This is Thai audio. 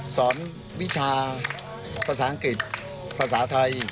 สอนวิชาภาษาอังกฤษภาษาไทย